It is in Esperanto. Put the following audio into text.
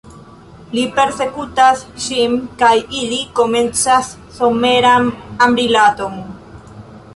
Li persekutas ŝin kaj ili komencas someran amrilaton.